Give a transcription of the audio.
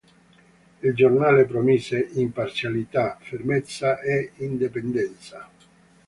Il giornale promise "imparzialità, fermezza e indipendenza".